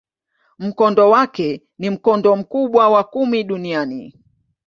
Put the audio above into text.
Mkondo wake ni mkondo mkubwa wa kumi duniani.